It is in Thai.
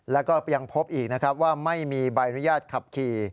แล้วก็ยังพบอีกนะครับว่าไม่มีใบอนุญาตขับขี่